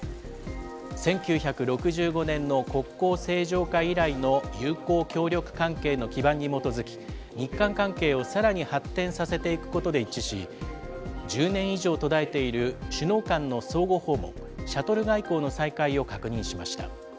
１９６５年の国交正常化以来の友好協力関係の基盤に基づき、日韓関係をさらに発展させていくことで一致し、１０年以上途絶えている首脳間の相互訪問、シャトル外交の再開を確認しました。